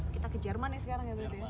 kita ke jerman ya sekarang ya